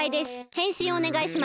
へんしんおねがいします。